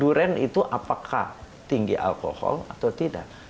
duren itu apakah tinggi alkohol atau tidak